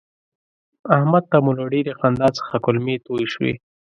احمد ته مو له ډېرې خندا څخه کولمې توی شوې.